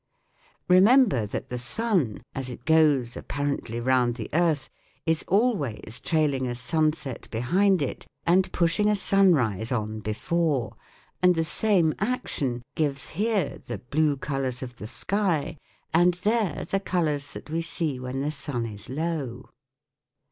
Remember that the sun as it goes, apparently, round the earth is always trailing a sunset behind it and pushing a sunrise on before, and the same action gives here the blue colours of the sky and there the colours that we see when the sun is low.